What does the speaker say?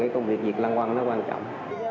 công việc diệt lăng quăng nó quan trọng